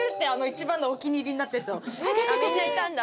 一番のお気に入りになったやつをあっみんないたんだ